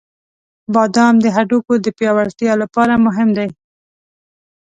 • بادام د هډوکو د پیاوړتیا لپاره مهم دی.